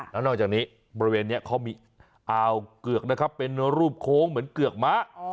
แล้วนอกจากนี้บริเวณนี้เขามีอ่าวเกือกนะครับเป็นรูปโค้งเหมือนเกือกม้า